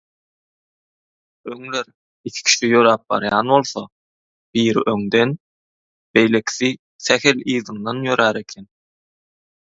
Öňler iki kişi ýöräp barýan bolsa, biri öňden, beýlekisi sähel yzyndan ýörär eken.